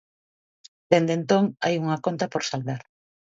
Dende entón hai unha conta por saldar.